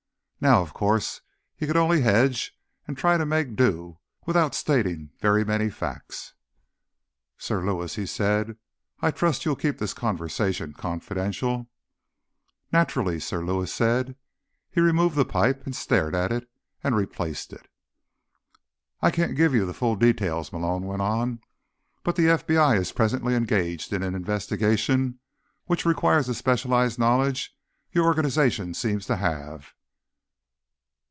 Now, of course, he could only hedge and try to make do without stating very many facts. "Sir Lewis," he said, "I trust you'll keep this conversation confidential." "Naturally," Sir Lewis said. He removed the pipe, stared at it, and replaced it. "I can't give you the full details," Malone went on, "but the FBI is presently engaged in an investigation which requires the specialized knowledge your organization seems to have."